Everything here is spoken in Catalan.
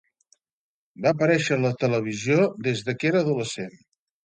Va aparèixer a la televisió des de que era adolescent.